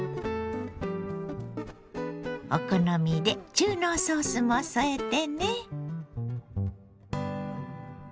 お好みで中濃ソースも添えてね。